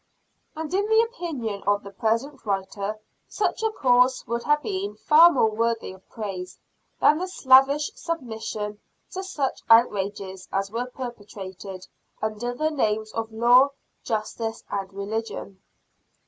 And in the opinion of the present writer, such a course would have been far more worthy of praise, than the slavish submission to such outrages as were perpetrated under the names of law, justice and religion.